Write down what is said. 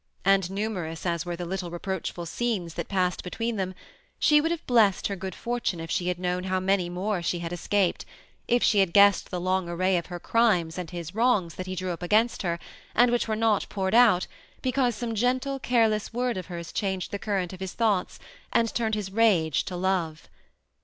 And numerous as were the little reproachful scenes that passed between them, she would have blessed her good fortune if she had known how many more she had escaped, — if she had guessed the long array of her crimes and his wrongs that he drew up against her, and which were not poured out, because some gentle, careless word of hers changed the current of his thoughts, and turned his rage to love.